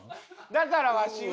だからわしは。